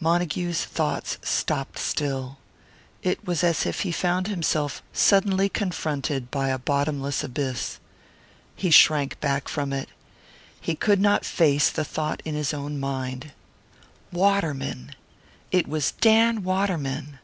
Montague's thoughts stopped still. It was as if he had found himself suddenly confronted by a bottomless abyss. He shrank back from it. He could not face the thought in his own mind. Waterman! It was Dan Waterman!